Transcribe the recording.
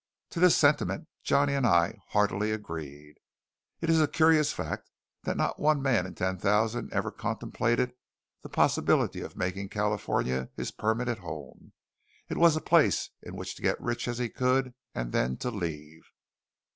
To this sentiment Johnny and I heartily agreed. It is a curious fact that not one man in ten thousand even contemplated the possibility of making California his permanent home. It was a place in which to get as rich as he could, and then to leave.